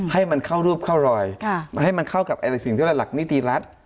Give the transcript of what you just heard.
ให้มันเข้ารูปเข้ารอยให้มันเข้ากับอะไรสิ่งที่หลักนิติรัฐ